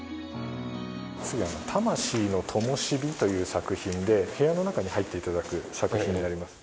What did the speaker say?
次は『魂の灯』という作品で部屋の中に入って頂く作品になります。